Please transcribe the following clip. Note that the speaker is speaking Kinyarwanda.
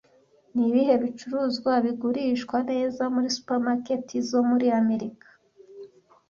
Nibihe bicuruzwa bigurishwa neza muri supermarket zo muri Amerika